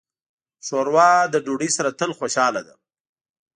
ښوروا له ډوډۍ سره تل خوشاله ده.